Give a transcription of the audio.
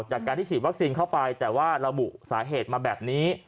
จากการที่ฉีดวัคซีนเข้าไปแต่ว่าระบุสาเหตุมาแบบนี้